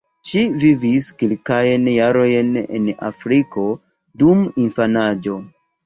Ŝi vivis kelkajn jarojn en Afriko dum infanaĝo.